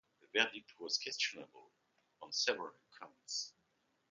The verdict was questionable on several counts.